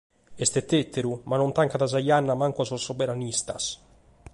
Est tèteru, ma non tancat sa ghenna mancu a sos soberanistas.